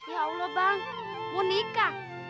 ya allah bang mau nikah